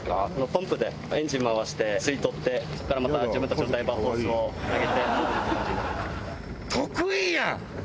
ポンプでエンジン回して吸い取ってそこからまた自分たちのダイバーホースを上げて。